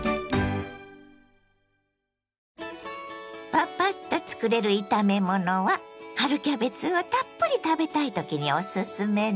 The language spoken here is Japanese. パパッとつくれる炒め物は春キャベツをたっぷり食べたいときにおすすめです。